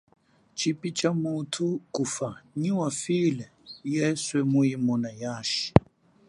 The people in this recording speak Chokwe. Tshipi tsha muthu kufa nyi wafile yeswe muimona yashi.